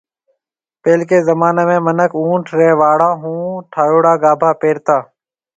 پيلوڪيَ زمانيَ ۾ مِنک اُونٺ ريَ واݪون هون ٺهيَوڙا گاڀا پيرتا۔